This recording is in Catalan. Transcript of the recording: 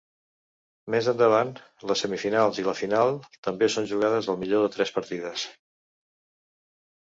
Més endavant, les semifinals i la final també són jugades al millor de tres partides.